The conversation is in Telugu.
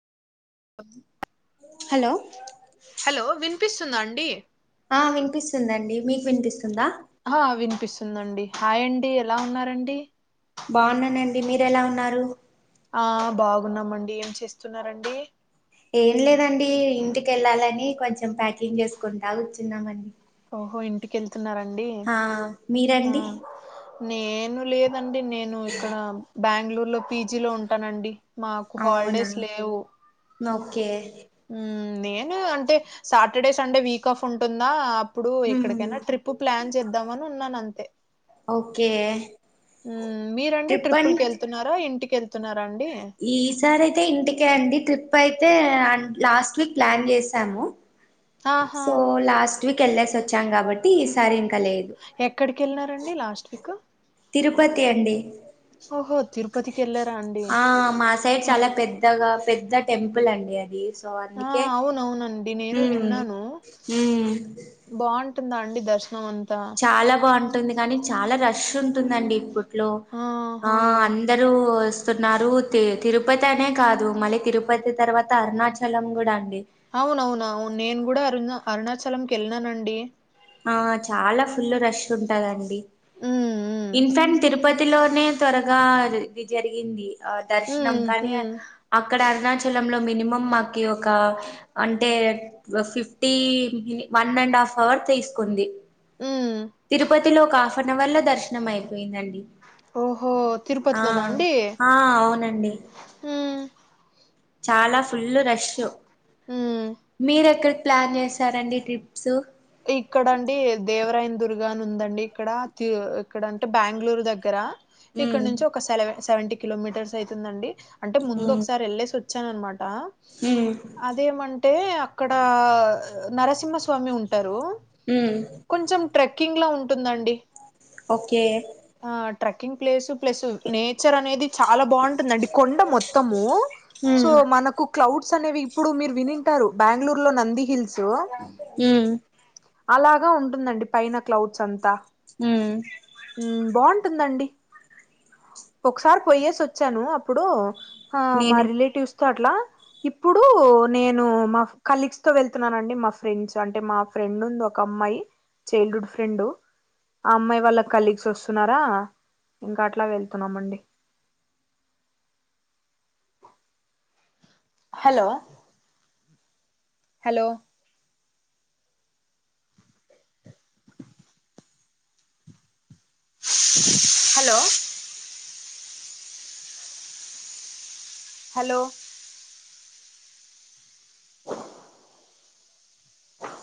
అ హలో హలో వినిపిస్తుందా అండి ఆ వినిపిస్తుందండి మీకు వినిపిస్తుందా ఆ వినిపిస్తుందండి హాయ్ అండి ఎలా ఉన్నారండి బాగున్నానండి మీరు ఎలా ఉన్నారు ఆ బాగున్నామండి ఏం చేస్తున్నారండి ఏం లేదండి ఇంటికెళ్ళాలిని కొంచెం ప్యాకింగ్ చేసుకుంటా కూర్చున్నామండి. ఓహో ఇంటిక వెళ్తున్నారండి ఆ ఆ. మీరండి నేను లేదండి నేను ఇక్కడ బెంగళూరు లో పీజి లో ఉంటానండి. మాకు అవునా హాలిడేస్ లేవు. ఓకే ఉ నేను అంటే సాటర్డే సండే వీక్ ఆఫ్ ఉంటుందా. ఇప్పుడు హ్మ్ ఎక్కడికైనా ట్రిప్ ప్లాన్ చేద్దామ అని ఉన్నాను అంతే. ఓకే. మీరండి ట్రిప్ అం ట్రిప్పుల్కి వెళ్తున్నారా ఇంటికెళ్తున్నారా అండి. ఈసారి అయితే ఇంటికే అండి ట్రిప్ అయితే లాస్ట్ వీక్ ప్లాన్ చేసాము. ఆహా సో లాస్ట్ వీక్ వెళ్సి వచ్చాం కాబట్టి ఈ సారి ఇంకా లేదు. ఎక్కడికి వెళ్ళినారండి లాస్ట్ వీక్. తిరుపతి అండి. ఓహో తిరుపతికి వెళ్ళారా అండి ఆ మా సైడ్ మం చాలా పెద్దగా పెద్ద టెంపుల్ అండి అది. సో ఆ అన్నికే. అవునవునండి నేను విన్నాను బాగుంటుందా అండి దర్శనం అంతా. చాలా బాగుంటుంది కానీ చాలా రష్ ఉంటుందండి ఇప్పుడు. లో ఆ ఆహా అందరూ. స్తున్నారు తి తిరుపతి అనే కాదు మళ్ళీ తిరుపతి తర్వాత అరుణాచలం కూడా అండి. అవునవున అవును నేను కూడా అరుణ అరుణాచలంకి వెళ్ళిననండి. ఆ చాలా ఫుల్ రష్ ఉంటదండి. ఉమ్ ఇన్ఫాక్ట్ తిరుపతిలోనే త్వరగా ఇది జరిగింది. ఆ ఉమ్ దర్శనం ఉమ్ కానీ ఉమ్ అక్కడ అరుణాచల లో మినిమం మాకి ఒక. అంటే fifty one and half hour తీసుకుంది. ఆ. తిరుపతిలో ఒక హాఫ్ అన్ అవర్ లో దర్శనం అయిపోయిందండి. ఓహో ఆ తిరుపతిలోనా అండి ఆ అవునండి. ఉమ్ చాలా ఫుల్ రష్ ఉమ్ మీరు ఎక్కడికి ప్లాన్ చేస్తారండి ట్రిప్స్. ఇక్కడండి దేవరాయన్ దుర్గా అని ఉందండి ఇక్కడ ఇక్కడ అంటే బెంగళూరు దగ్గర. ఇక్కడ ఉమ్ నుంచి ఒక సెవె సెవెంటీ కిలోమీటర్స్ అయితుందండి అంటే ముందు ఉమ్ ఒకసారి వెళ్లేేసి వచ్. వచ్చాన అనమాట ఉమ్ అదేమన్. అంటే అక్కడ నరసింహస్వామి ఉంటరు. ఉ. కొంచెం ట్రెక్కింగ్ ల ఉంటుందండి. ఓకే. ఆ ట్రెక్కింగ్ ప్లేస్ ప్లస్ నేచర్ అనేది. చాలా బాగుంటుందండి కొండ మొత్తము సో ఉమ్ మనకు. క్లౌడ్స్ అనేవి ఇప్పుడు మీరు వినింటారు బెంగళూరు లో నంది హిల్స్. హ. అలాగా ఉంటుందండి పైన క్లౌడ్స్ అంతా. హ. బాగుంటుందండి. ఒకసారి పోయ్యేసి వచ్చాను అప్పుడు ఆ మా నేను రిలేటివ్స్ తో అట్లా. ఇప్పుడు నేను మా కలీగ్స్ తో వెళ్తున్నానండి మా ఫ్రెండ్స్ అంటే మా. ఫ్రెండ్ ఉంది ఒక అమ్మాయి చైల్డ్ హుడ్ ఫ్రెండు. ఆ అమ్మాయి వాళ్ళ కలీగ్స్ వస్తున్నారా, ఇంకా అట్లా వెళ్తున్నామండి హలో హలో హామ్ హలో హలో ఆ